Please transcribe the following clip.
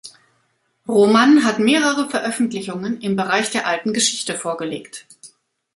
Rohmann hat mehrere Veröffentlichungen im Bereich der Alten Geschichte vorgelegt.